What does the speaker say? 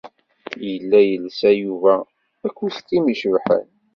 Yella yelsa Yuba akustim icebḥen.